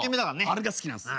あれが好きなんです。